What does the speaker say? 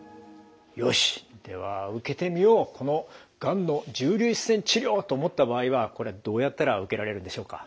よしでは受けてみようこのがんの重粒子線治療と思った場合はこれはどうやったら受けられるんでしょうか？